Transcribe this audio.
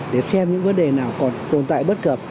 để xem những vấn đề nào còn tồn tại bất cập